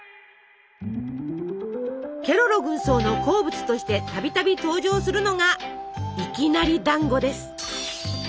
ケロロ軍曹の好物としてたびたび登場するのがいきなりだんごです。